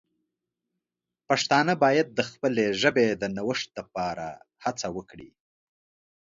پښتانه باید د خپلې ژبې د نوښت لپاره هڅه وکړي.